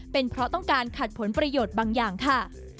เป็นเพราะต้องการขัดผลประโยชน์บางอย่างค่ะ